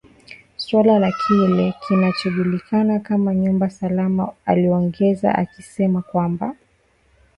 suala la kile kinachojulikana kama nyumba salama aliongeza akisema kwamba